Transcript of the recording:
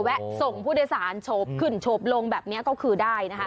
แวะส่งผู้โดยสารขึ้นโชบลงแบบนี้ก็คือได้